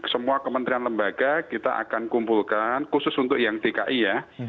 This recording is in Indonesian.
semua kementerian lembaga kita akan kumpulkan khusus untuk yang dki ya